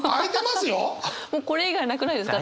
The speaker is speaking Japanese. もうこれ以外なくないですか？